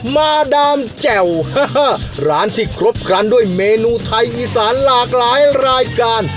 มาดามแจ่วร้านที่ครบครันด้วยเมนูไทยอีสานหลากหลายรายการ